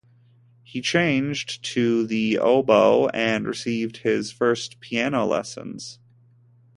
He changed to the oboe and received his first piano lessons.